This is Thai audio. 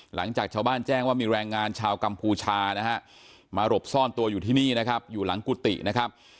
หลังจากชาวบ้านแจ้งว่ามีแรงงานชาวกัมพูชานะฮะมาหลบซ่อนตัวอยู่ที่นี่นะครับอยู่หลังกุฏินะครับ